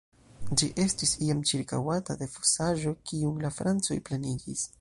Ĝi estis iam ĉirkaŭata de fosaĵo, kiun la francoj plenigis.